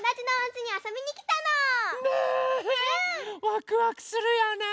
ワクワクするよね！